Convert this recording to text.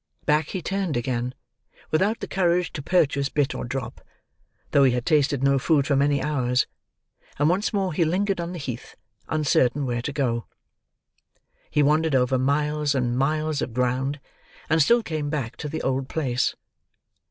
Back he turned again, without the courage to purchase bit or drop, though he had tasted no food for many hours; and once more he lingered on the Heath, uncertain where to go. He wandered over miles and miles of ground, and still came back to the old place.